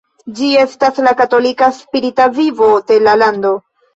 Ĝi estas la katolika spirita vivo de la lando.